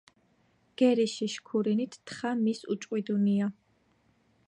გერიში შქურინით თხა მის უჭყვიდუნია